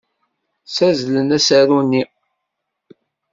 Ssazzlen asaru-nni.